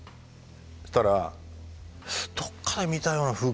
そしたらどっかで見たような風景だなと思ったの。